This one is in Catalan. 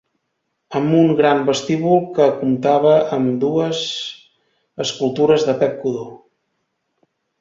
Amb un gran vestíbul que comptava amb dues escultures de Pep Codó.